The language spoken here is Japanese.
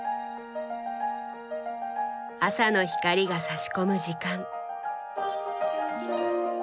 朝の光がさし込む時間。